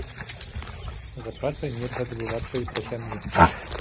За працай нельга забывацца і пра сям'ю.